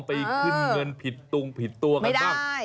ออกไปขึ้นเงินผิดตรุงผิดตัวตามไม่ได้